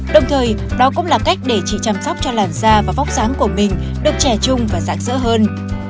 đồng thời đó cũng là cách để chị chăm sóc cho làn da và vóc sáng của mình được trẻ trung và dạng dỡ hơn